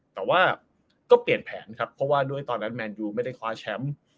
แต่ว่าก็เปลี่ยนแผนครับเพราะว่าด้วยตอนนั้นแมนยูไม่ได้คว้าแชมป์